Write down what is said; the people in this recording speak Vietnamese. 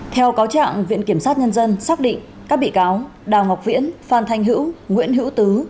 theo cáo trạng viện kiểm sát nhân dân xác định các bị cáo đào ngọc viễn phan thanh hữu nguyễn hữu tứ